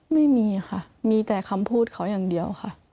ไม่มีค่ะมีแต่คำพูดเขาอย่างเดียวค่ะ